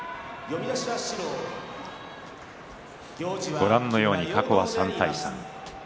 ご覧のように過去は３対３。